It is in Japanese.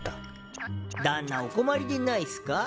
だんなお困りでないすか？